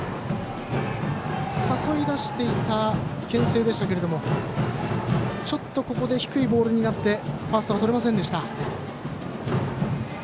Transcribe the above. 誘い出していたけん制でしたけれどもちょっとここで低いボールになってファーストがとれませんでした。